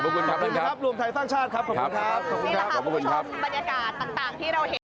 โปรดติดตามตอนต่อไป